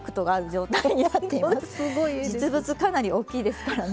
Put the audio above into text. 実物かなり大きいですからね。